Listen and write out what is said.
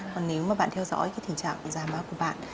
còn nếu bạn theo dõi tình trạng da má của bạn